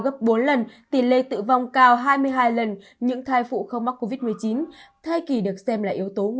gấp bốn lần tỷ lệ tử vong cao hai mươi hai lần những thai phụ không mắc covid một mươi chín thai kỳ được xem là yếu tố